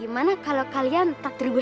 gimana kalau kalian tak ceritain gue